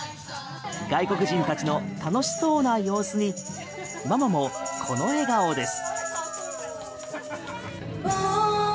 外国人たちの楽しそうな様子にママもこの笑顔です。